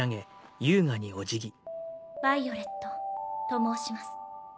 ヴァイオレットと申します。